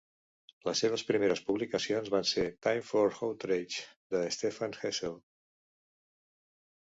Les seves primeres publicacions van ser Time for Outrage de Stephane Hessel!